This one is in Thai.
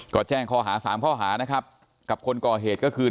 ก็แจ้งข้อหาสามข้อหานะครับกับคนก่อเหตุก็คือ